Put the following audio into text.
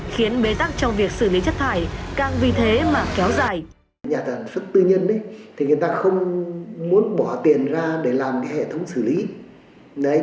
khiến bế tắc trong việc xử lý chất thải càng vì thế mà kéo dài